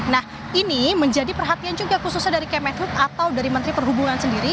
nah ini menjadi perhatian juga khususnya dari kemenhub atau dari menteri perhubungan sendiri